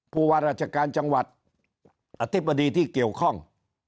ผู้ว่าราชการจังหวัดอธิบดีที่เกี่ยวข้อง